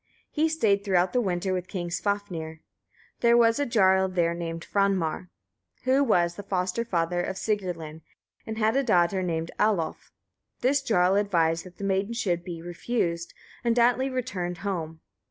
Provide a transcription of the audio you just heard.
He stayed throughout the winter with King Svafnir. There was a jarl there named Franmar, who was the foster father of Sigrlinn, and had a daughter named Alof. This jarl advised that the maiden should be refused, and Atli returned home.